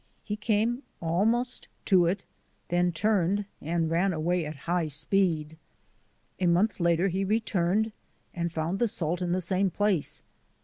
He came almost to it, then turned and ran away at high speed. A month later he returned and found the salt in the same place.